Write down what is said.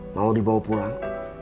mau dibawa pulang